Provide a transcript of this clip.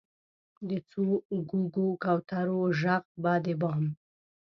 د څو ګوګو، کوترو ږغ به د بام،